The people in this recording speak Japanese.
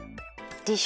でしょ？